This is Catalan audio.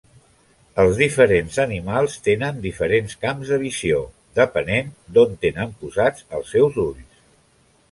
Els diferents animals tenen diferents camps de visió, depenent d'on tenen posats els seus ulls.